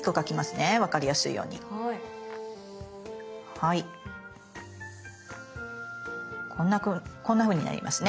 はいこんなふうになりますね。